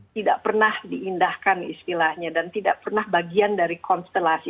tidak pernah diindahkan istilahnya dan tidak pernah bagian dari konstelasi